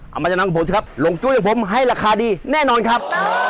เอามาจะนำกับผมสิครับหลงจุดอย่างผมให้ราคาดีแน่นอนครับ